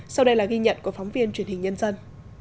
sau đây là ghi nhận của phóng viên truyền hình nhân dân